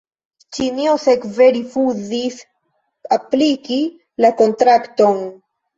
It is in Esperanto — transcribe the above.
Ĉinio sekve rifuzis apliki la kontrakton.